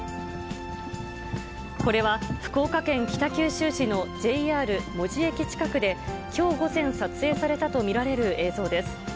これは、福岡県北九州市のＪＲ門司駅近くで、きょう午前、撮影されたと見られる映像です。